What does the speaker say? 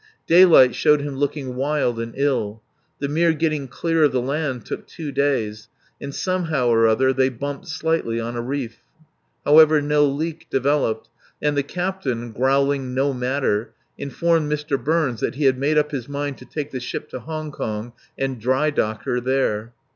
Daylight showed him looking wild and ill. The mere getting clear of the land took two days, and somehow or other they bumped slightly on a reef. However, no leak developed, and the captain, growling "no matter," informed Mr. Burns that he had made up his mind to take the ship to Hong Kong and drydock her there.